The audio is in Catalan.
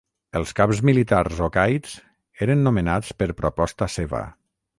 Els caps militars o caids eren nomenats per proposta seva.